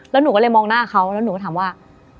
แล้วหนูก็เลยมองหน้าเขาแล้วหนูก็ถามว่า